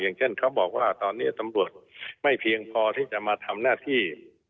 อย่างเช่นเขาบอกว่าตอนนี้ตำรวจไม่เพียงพอที่จะมาทำหน้าที่